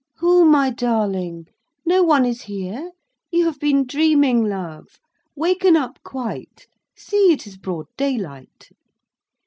"Who, my darling? No one is here. You have been dreaming love. Waken up quite. See, it is broad daylight."